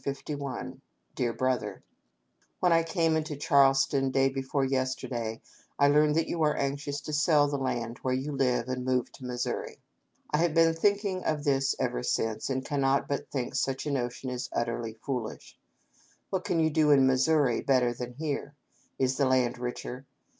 "Dear Brother :" When I came into Charleston day before yesterday I learned that you are anxious to sell the land where you live, and move to Missouri. I have been thinking of this ever since, and cannot but think such a notion is utterly foolish. What can you do in Missouri better than here .' Is the land richer